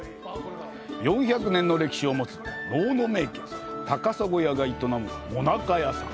４００年の歴史を持つ高砂やが営むもなか屋さん。